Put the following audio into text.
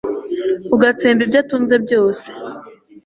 ugatsemba ibyo atunze byose